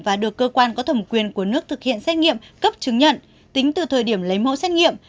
và được cơ quan có thẩm quyền của nước thực hiện xét nghiệm cấp chứng nhận tính từ thời điểm lấy mẫu xét nghiệm